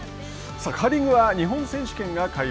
カーリングは日本選手権が開幕。